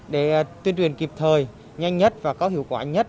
để tuyên truyền kịp thời nhanh nhất và có hiệu quả nhất